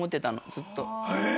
ずっと。